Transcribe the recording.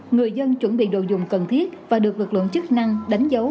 người dân chuẩn bị đồ dùng cần thiết và được lực lượng chức năng đánh dấu